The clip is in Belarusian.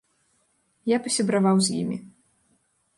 Я пасябраваў з імі.